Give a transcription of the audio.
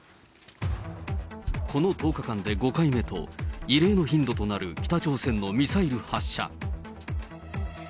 この１０日間で５回目と、異例の頻度となる北朝鮮のミサイル発射。